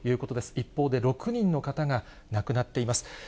一方で、６人の方が亡くなっています。